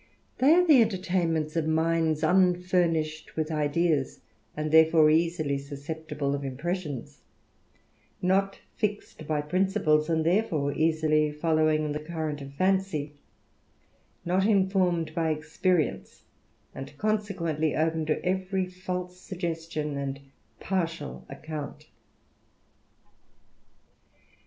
They are the entertainment of mindi' unfurnished with ideas, and therefore easily susceptible € impressions ; not fixed by principles, and therefore easil;^ following the current of fancy ; not informed by experience, and consequently open to every false suggestion and partial account THE RAMBLER.